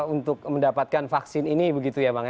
untuk mendapatkan vaksin ini begitu ya bang ya